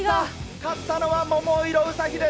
勝ったのは桃色ウサヒです。